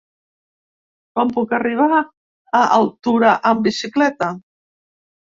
Com puc arribar a Altura amb bicicleta?